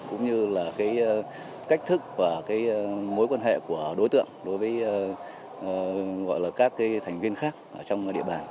cũng như cách thức và mối quan hệ của đối tượng đối với các thành viên khác trong địa bàn